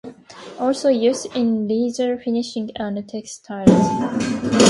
Also used in leather finishing and textiles.